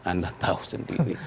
anda tahu sendiri